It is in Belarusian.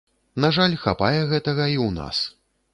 На жаль, хапае гэтага і ў нас.